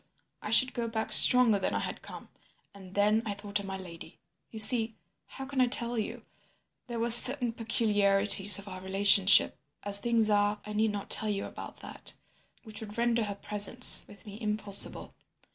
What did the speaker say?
I should go back stronger than I had come. And then I thought of my lady. You see—how can I tell you? There were certain peculiarities of our relationship—as things are I need not tell you about that—which would render her presence with me impossible.